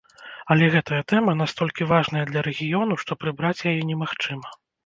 Але гэтая тэма настолькі важная для рэгіёну, што прыбраць яе немагчыма.